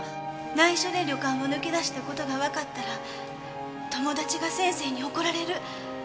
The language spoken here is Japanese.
内緒で旅館を抜け出した事がわかったら友達が先生に怒られる。